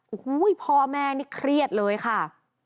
โอ้โหพ่อแม่นี่เครียดเลยค่ะ